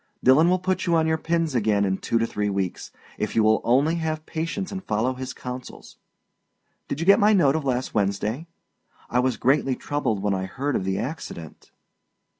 Dillon will put you on your pins again in two to three weeks, if you will only have patience and follow his counsels. Did you get my note of last Wednesday? I was greatly troubled when I heard of the accident.